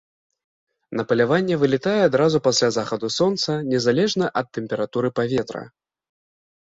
На паляванне вылятае адразу пасля захаду сонца незалежна ад тэмпературы паветра.